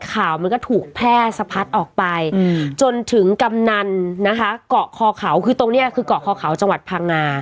ข่าวมันก็ถูกแพร่สะพัดออกไปจนถึงกำนันนะคะเกาะคอเขาคือตรงนี้คือเกาะคอเขาจังหวัดพังงา